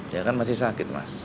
saya kan masih sakit mas